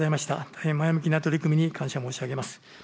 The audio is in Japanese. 大変前向きな取り組みに感謝申し上げます。